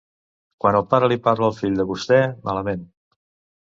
Quan el pare li parla al fill de vostè, malament.